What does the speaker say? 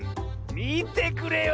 みてくれよ